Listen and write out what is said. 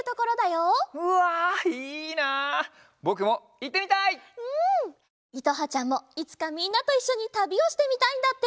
いとはちゃんもいつかみんなといっしょにたびをしてみたいんだって。